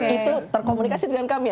itu terkomunikasi dengan kami